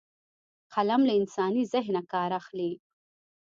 قلم له انساني ذهنه کار اخلي